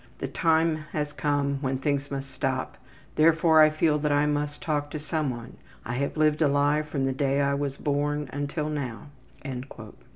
The time has come when things must stop, therefore I feel that I must talk to someone. I have lived a lie from the day I was born until now.''